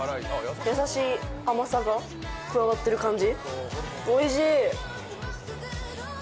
やさしい甘さが加わっている感じ。